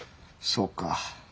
そうか。